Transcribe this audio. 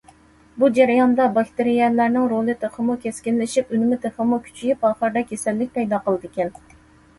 بۇ جەرياندا، باكتېرىيەلەرنىڭ رولى تېخىمۇ كەسكىنلىشىپ، ئۈنۈمى تېخىمۇ كۈچىيىپ، ئاخىرىدا كېسەللىك پەيدا قىلىدىكەن.